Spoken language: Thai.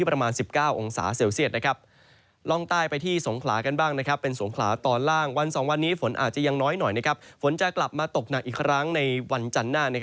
ร้างในวันจันทร์หน้า